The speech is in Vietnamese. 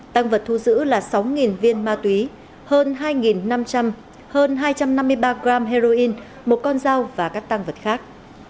tăng vật thu giữ là sáu viên ma túy hơn hai năm trăm linh hơn hai trăm năm mươi ba gram heroin một con dao và các tăng vật khác